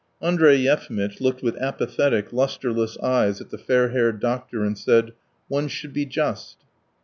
Andrey Yefimitch looked with apathetic, lustreless eyes at the fair haired doctor and said: "One should be just."